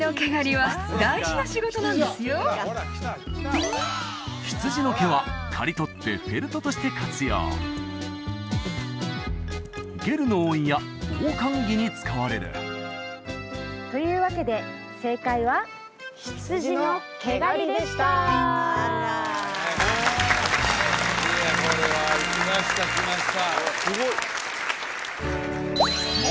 おお羊の毛は刈り取ってフェルトとして活用ゲルの覆いや防寒着に使われるというわけで正解は「羊の毛刈り」でしたいやこれはいきましたきました